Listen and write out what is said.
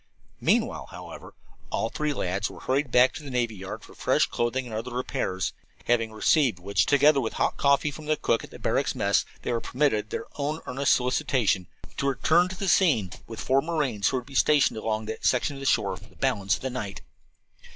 Meanwhile, however, all three lads were hurried back to the navy yard for fresh clothing and other repairs; having received which, together with hot coffee from the cook at the barracks mess, they were permitted, at their own earnest solicitation, to return to the scene with four marines who were to be stationed along that section of the shore for the balance of the night.